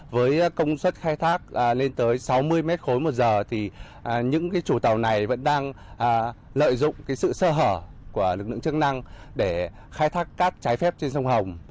với công suất khai thác lên tới sáu mươi m ba một giờ thì những chủ tàu này vẫn đang lợi dụng sự sơ hở của lực lượng chức năng để khai thác cát trái phép trên sông hồng